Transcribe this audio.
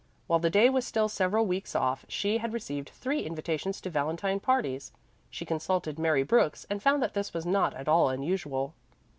While the day was still several weeks off she had received three invitations to valentine parties. She consulted Mary Brooks and found that this was not at all unusual.